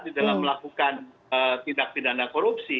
di dalam melakukan tindak pidana korupsi